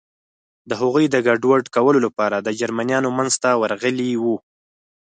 د هغوی د ګډوډ کولو لپاره د جرمنیانو منځ ته ورغلي و.